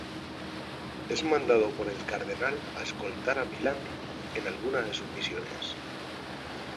Es mandado por el cardenal a escoltar a Milady en algunas de sus misiones.